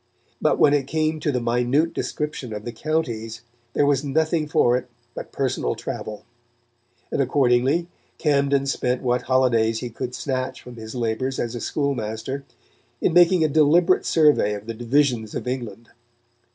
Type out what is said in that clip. But when it came to the minute description of the counties there was nothing for it but personal travel; and accordingly Camden spent what holidays he could snatch from his labours as a schoolmaster in making a deliberate survey of the divisions of England.